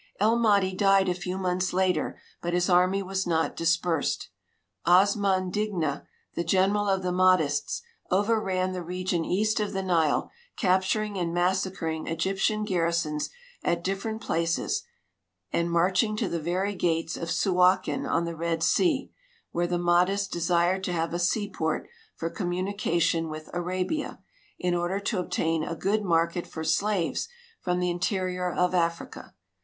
El Mahdi died a few months later, but his army was not dis ])ersed. Osman Digna, the general of the Mahdists, overran the region east of the Nile, ca])turing and massacring Egyptian garrisons at different places and marching to the very gates of Suakin on the Red Sea, where the Mahdists desired to have a sea port for communication with Arabia, in order to obtain a good market for slaves from the interior of Africa.